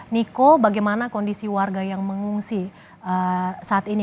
niko bagaimana kondisi warga yang mengungsi saat ini